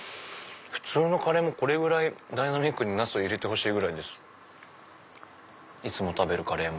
普通のカレーもこれぐらいダイナミックにナスを入れてほしいぐらいですいつも食べるカレーも。